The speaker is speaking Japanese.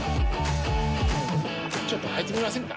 ちょっと入ってみませんか？